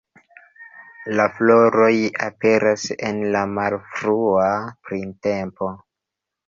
La floroj aperas en la malfrua printempo.